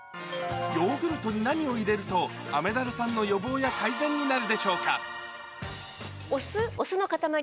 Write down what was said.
ヨーグルトに何を入れると、雨ダルさんの予防や改善になるでしょうか。